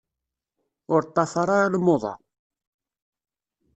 Ur ṭṭafar ara lmuḍa.